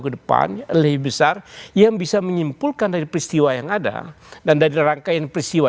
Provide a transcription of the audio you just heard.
kedepan lebih besar yang bisa menyimpulkan dari peristiwa yang ada dan dari rangkaian peristiwa